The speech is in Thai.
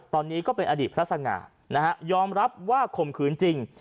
ตอนนี้ก็เป็นอดีตพระสง่านะฮะยอมรับว่าข่มขืนจริง